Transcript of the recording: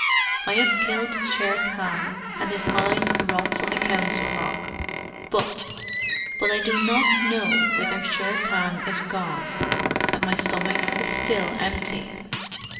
I have killed Shere Khan, and his hide rots on the Council Rock; but but I do not know whither Shere Khan is gone, and my stomach is still empty.